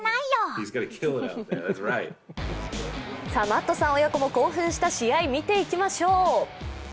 マットさん親子も興奮した試合、見ていきましょう。